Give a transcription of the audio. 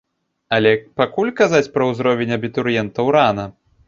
Але пакуль казаць пра ўзровень абітурыентаў рана.